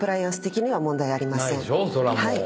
はい。